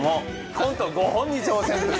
コント５本に挑戦。